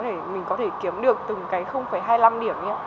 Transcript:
để mình có thể kiếm được từng cái hai mươi năm điểm